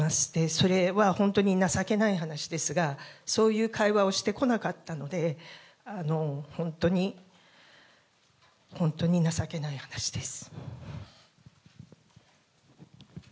それは本当に情けない話ですが、そういう会話をしてこなかったので、本当に本当に情けない話です。